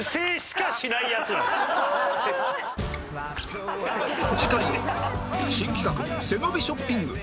次回新企画背伸びショッピング